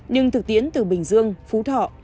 nhưng thực tiến từ bình dương phú thọ